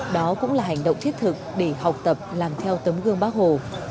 đó cũng là hành động thiết thực để học tập làm theo tấm gương bác hồ